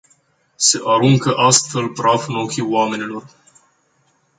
Se aruncă astfel praf în ochii oamenilor.